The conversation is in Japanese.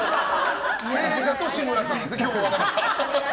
聖者と志村さんですね、今日は。